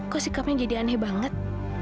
kok sikapnya jadi aneh banget